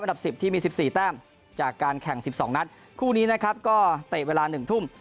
ดับสิบที่มี๑๔แต้มจากการแข่ง๑๒นัดคู่นี้นะครับก็เตะเวลาหนึ่งทุ่ม